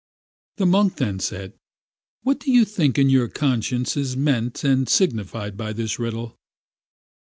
The monk then said, What do you think in your conscience is meant and signified by this riddle?